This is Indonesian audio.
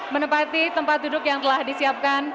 menempati tempat duduk yang telah disiapkan